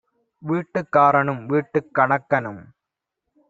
வீட்டுக் காரனும் வீட்டுக் கணக்கனும்